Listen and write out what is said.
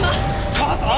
母さん！